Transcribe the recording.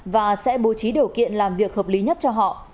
và sẽ bố trí điều kiện làm việc hợp lý nhất cho họ